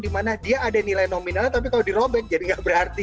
dimana dia ada nilai nominalnya tapi kalau dirobek jadi nggak berarti